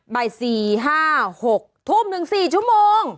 บ่าย๓๐๐๕๐๐๖๐๐ถึง๔ชั่วโมง